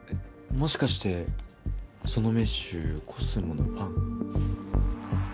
もしかしてそのメッシュコスモのファン？